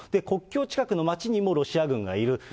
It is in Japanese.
国境近くの街にもロシア軍がいる。